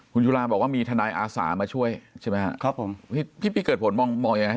คุณชุลาบอกว่ามีทนายอาสามาช่วยใช่ไหมครับพี่เกิดผลมองอย่างไร